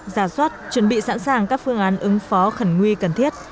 giả soát chuẩn bị sẵn sàng các phương án ứng phó khẩn nguy cần thiết